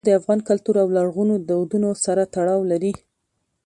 زردالو د افغان کلتور او لرغونو دودونو سره تړاو لري.